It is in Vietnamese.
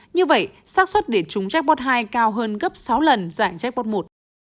như vậy sát xuất để chung jackpot hai cao hơn gấp sáu lần giải jackpot một